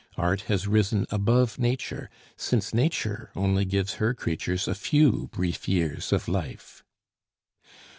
Art has risen above Nature, since Nature only gives her creatures a few brief years of life.